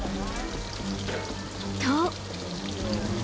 と